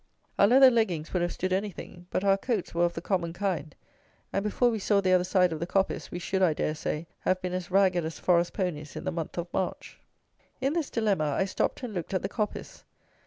Our leather leggings would have stood anything; but our coats were of the common kind; and before we saw the other side of the coppice we should, I dare say, have been as ragged as forest ponies in the month of March. In this dilemma I stopped and looked at the coppice.